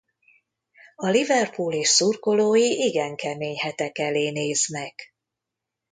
A Liverpool és szurkolói igen kemény hetek elé néznek.